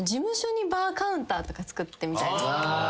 つくってみたいです。